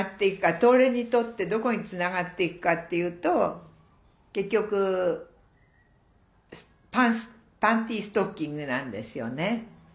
東レにとってどこにつながっていくかっていうと結局パンティストッキングなんですよね。